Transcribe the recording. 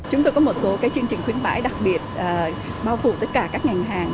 chúng tôi có một số chương trình khuyến mãi đặc biệt bao phủ tất cả các ngành hàng